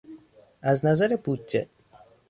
از نظر بودجه